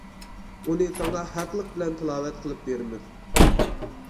ئۇنى ساڭا ھەقلىق بىلەن تىلاۋەت قىلىپ بېرىمىز.